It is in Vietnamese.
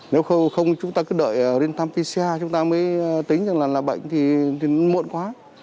nếu không chúng ta cứ đợi đến thăm pca chúng ta mới tính rằng là bệnh thì muộn quá